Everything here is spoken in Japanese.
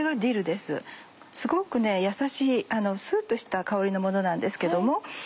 すごくやさしいスっとした香りのものなんですけども。